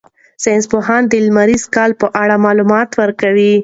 ساینس پوهان د لمریز کال په اړه معلومات ورکوي.